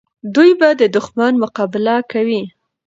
دوی به د دښمن مقابله کوي.